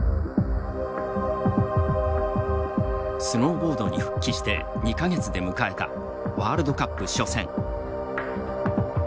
スノーボードに復帰して２か月で迎えたワールドカップ初戦。